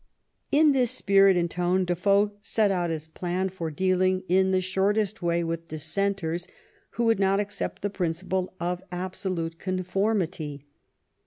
In this spirit and this tone Defoe set out his plan for dealing in the shortest way with Dissenters who would not accept the principle of absolute conformity.